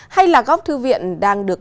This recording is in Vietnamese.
hay là góc thư viện đang được